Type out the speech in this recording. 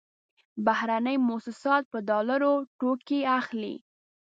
بهرني موسسات په ډالرو توکې اخلي.